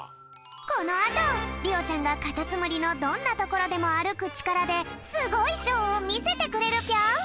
このあとりおちゃんがカタツムリのどんなところでもあるくちからですごいショーをみせてくれるぴょん！